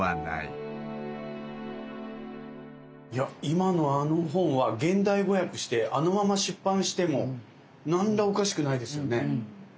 今のあの本は現代語訳してあのまま出版しても何らおかしくないですよね。